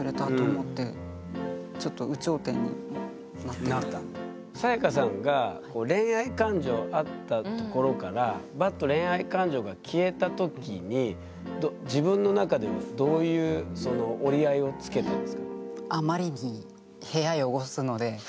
初めてこんなサヤカさんが恋愛感情あったところからバッと恋愛感情が消えた時に自分の中ではどういう折り合いをつけたんですか？